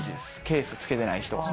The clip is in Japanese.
ケース付けてない人は。